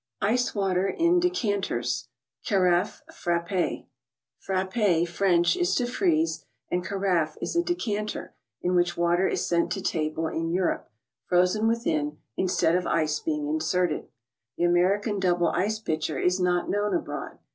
ICED BEVERAGES. ©later in&mntm (Carafe Frapper (French) is to freeze, Tr /♦ an( j carafe is a decanter, in which water is sent to table in Europe, frozen within, in¬ stead of ice being inserted. The American double ice pitcher is not known abroad.